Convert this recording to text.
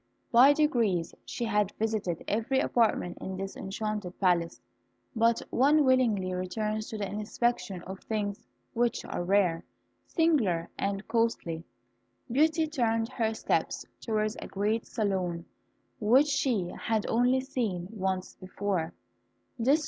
By degrees she had visited every apartment in this enchanted palace: but one willingly returns to the inspection of things which are rare, singular, and costly. Beauty turned her steps towards a great saloon, which she had only seen once before.